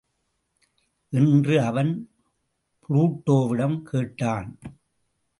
என்று அவன் புளுட்டோவிடம் கேட்டான்.